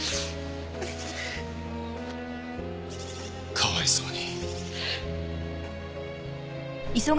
かわいそうに。